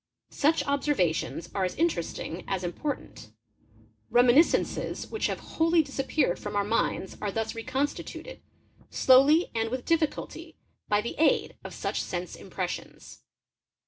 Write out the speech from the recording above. Such observations are as inter esting as important. Reminiscences which have wholly disappeared from our minds are thus reconstituted, slowly and with difficulty, by the aid of such sense impressions.